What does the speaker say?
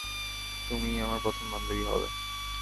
তুমিই আমার প্রথম বান্ধবী হবে।